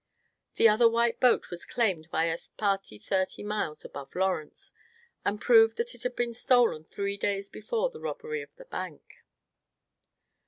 The other white boat was claimed by a party thirty miles above Lawrence, who proved that it had been stolen three days before the robbery of the bank.